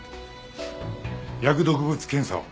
薬毒物検査を。